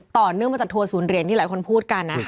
เนื่องมาจากทัวร์ศูนย์เหรียญที่หลายคนพูดกันนะคะ